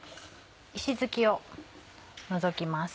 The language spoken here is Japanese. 石突きを除きます。